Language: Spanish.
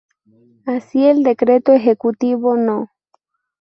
Así, el Decreto Ejecutivo No.